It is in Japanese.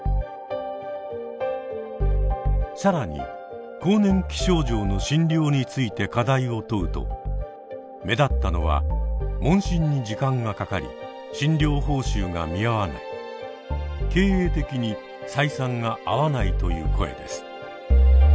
更に更年期症状の診療について課題を問うと目立ったのは「問診に時間がかかり診療報酬が見合わない」「経営的に採算が合わない」という声です。